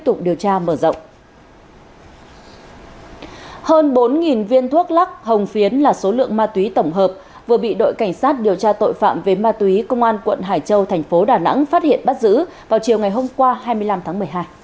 hơn bốn viên thuốc lắc hồng phiến là số lượng ma túy tổng hợp vừa bị đội cảnh sát điều tra tội phạm về ma túy công an quận hải châu thành phố đà nẵng phát hiện bắt giữ vào chiều ngày hôm qua hai mươi năm tháng một mươi hai